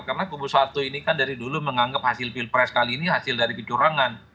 karena kubu satu ini kan dari dulu menganggap hasil pilpres kali ini hasil dari kecurangan